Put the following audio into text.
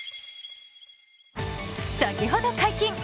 先ほど解禁！